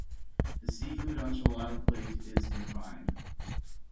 The seafood enchilada plate is divine.